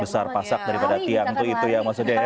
besar pasak daripada tiang itu itu ya maksudnya ya